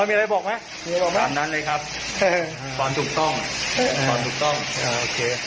มีอะไรบอกไหมตามนั้นเลยครับฝนถูกต้องฝนถูกต้องอ่าโอเค